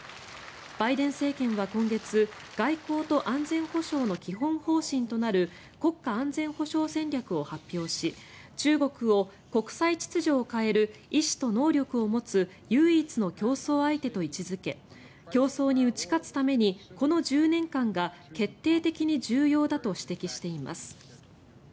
バイデン大統領は今月外交と安全保障の基本方針となる国家安全保障戦略を発表し中国を国際秩序を変える意思と能力を持つ唯一の競争相手と位置付け競争に打ち勝つためにこの１０年間が決定的に重要だと指摘しています。